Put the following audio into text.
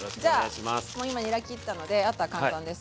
じゃあもう今にら切ったのであとは簡単です。